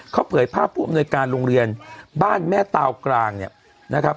เขาเผยภาพผู้อำนวยการโรงเรียนบ้านแม่ตาวกลางเนี่ยนะครับ